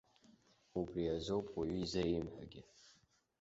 Убри азоуп уаҩы изреимҳәогьы.